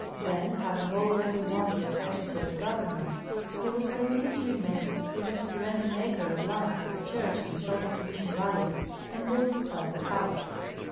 Then having already won the affections of the Governor, he was permitted to remain, even to rent an acre of land from the Church in the sheltered Mission valley, and build himself a house.